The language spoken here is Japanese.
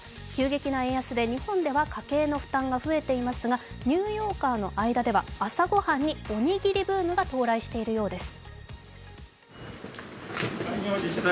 急激な円安で、日本では家計の負担が増えていますがニューヨーカーの間では朝ご飯におにぎりブームが到来しているようです。